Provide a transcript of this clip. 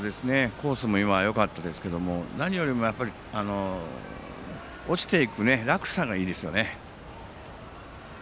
コースもよかったですが何よりも落ちていく落差がいいですよね。